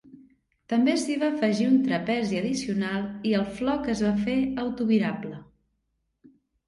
També s'hi va afegir un trapezi addicional i el floc es va fer autovirable.